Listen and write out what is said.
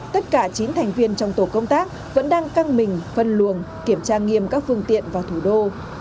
tất cả chín thành viên trong tổ công tác vẫn đang căng mình phân luồng kiểm tra nghiêm các phương tiện vào thủ đô